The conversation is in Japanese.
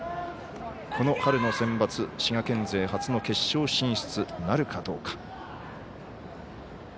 この春のセンバツ滋賀県勢初の決勝進出なるかどうか。